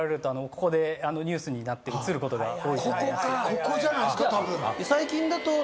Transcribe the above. ここじゃないですかたぶん。